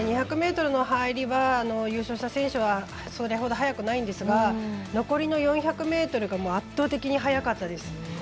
２００ｍの入りは優勝した選手はそれほど速くないんですが残りの４００ｍが圧倒的に速かったです。